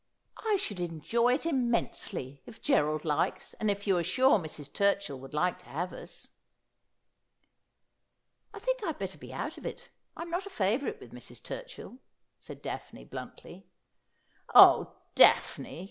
' I should enjoy it immensely — if Gerald likes, and if you are sure Mrs. Turchill would like to have us.' ' I think I'd better be out of it. I'm not a favourite with Mrs. Turchill,' said Daphne bluntly. ' Oh, Daphne